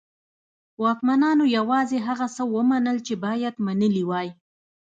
واکمنانو یوازې هغه څه ومنل چې باید منلي وای.